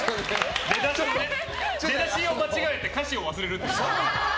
出だしを間違えて歌詞を忘れるっていう。